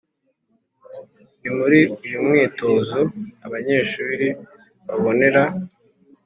Ni muri uyu mwitozo abanyeshuri babonera